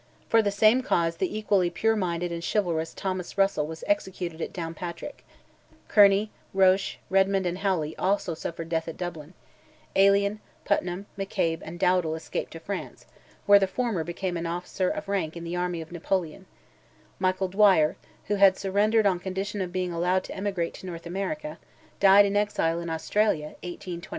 For the same cause, the equally pure minded and chivalrous Thomas Russell was executed at Downpatrick; Kearney, Roche, Redmond and Howley also suffered death at Dublin; Allen, Putnam, McCabe, and Dowdall escaped to France, where the former became an officer of rank in the army of Napoleon; Michael Dwyer, who had surrendered on condition of being allowed to emigrate to' North America, died in exile in Australia, in 1825.